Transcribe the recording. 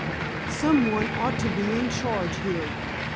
"Somebody ought to be in charge here."